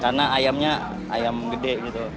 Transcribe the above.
karena ayamnya ayam gede gitu